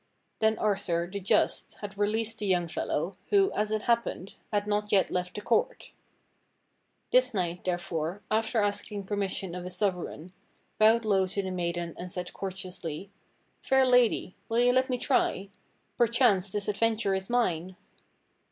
Then Arthur, the just, had released the young fellow, who, as it happened, had not yet left the court. This knight, therefore, after asking permission of his sovereign, bowed low to the maiden and said courteously: "Fair ladj% wall you let me try? Perchance this adventure is mine."